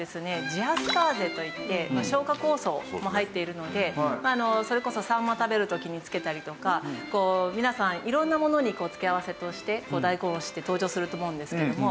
ジアスターゼといって消化酵素も入っているのでそれこそサンマ食べる時につけたりとか皆さん色んなものに付け合わせとして大根おろしって登場すると思うんですけれども。